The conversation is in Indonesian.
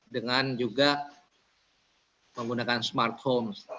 dengan juga menggunakan smart home